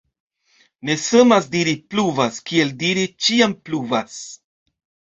Ne samas diri «pluvas» kiel diri «ĉiam pluvas».